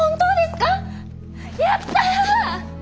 やった！